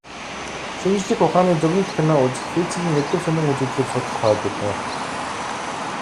Шинжлэх ухааны зөгнөлт кино үзэх, физикийн элдэв сонин үзэгдлийг судлах хоббитой.